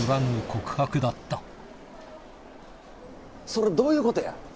それは、それ、どういうことや。